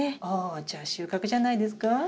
あじゃあ収穫じゃないですか？